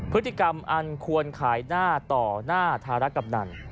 พฤติกรรมอันควรขายหน้าต่อหน้าธารกำนัน